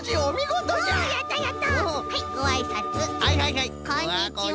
はいはいはいこんにちは。